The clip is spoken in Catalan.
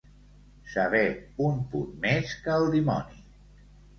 Saber un punt més que el dimoni.